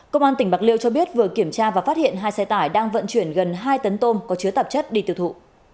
công an tỉnh bạc liêu cho biết vừa kiểm tra và phát hiện hai xe tải đang vận chuyển gần hai tấn tôm có chứa tạp chất đi tiêu thụ